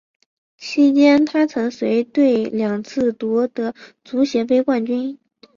期间她曾随队两次夺得足协杯冠军。